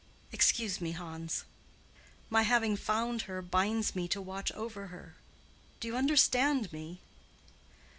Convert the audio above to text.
Excuse me, Hans. My having found her binds me to watch over her. Do you understand me?"